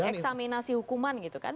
eksaminasi hukuman gitu kan